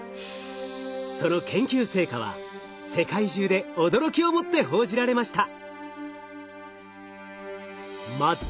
その研究成果は世界中で驚きをもって報じられました。